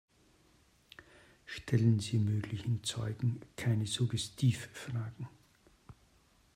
Stellen Sie möglichen Zeugen keine Suggestivfragen.